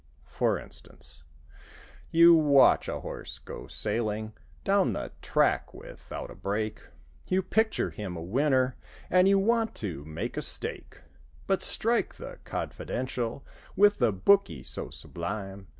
(For instance) You watch a horse go sailing Down the track without a break; You picture him a winner And you want to make a stake; But—strike the confidential With the "bookie" so sublime.